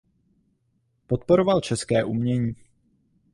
Podporoval české umění.